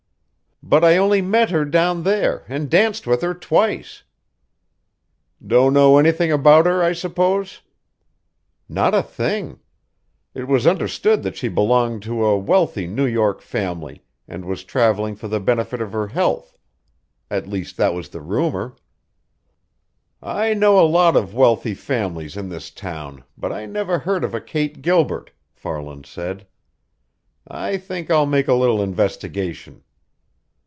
"But I only met her down there and danced with her twice." "Don't know anything about her, I suppose?" "Not a thing. It was understood that she belonged to a wealthy New York family and was traveling for the benefit of her health. At least, that was the rumor." "I know of a lot of wealthy families in this town, but I never heard of a Kate Gilbert," Farland said. "I think I'll make a little investigation."